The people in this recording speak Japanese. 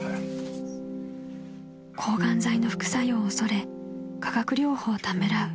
［抗がん剤の副作用を恐れ化学療法をためらう］